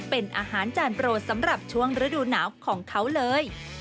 เป็นอาหารจานโปรดสำหรับช่วงฤดูหนาวของเขาเลย